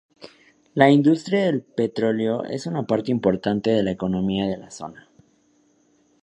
La industria del petróleo es una parte importante de la economía de la zona.